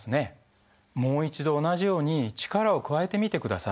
もう一度同じように力を加えてみてください。